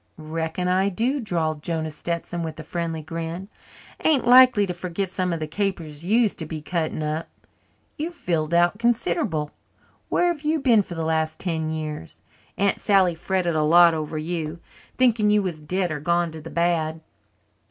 "Reckon I do," drawled Jonah Stetson with a friendly grin. "Ain't likely to forget some of the capers you used to be cutting up. You've filled out considerable. Where have you been for the last ten years? Aunt Sally fretted a lot over you, thinking you was dead or gone to the bad."